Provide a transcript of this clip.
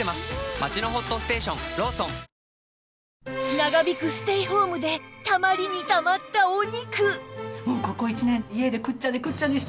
長引くステイホームでたまりにたまったお肉